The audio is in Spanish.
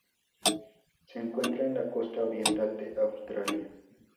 Se encuentra en la costa oriental de Australia.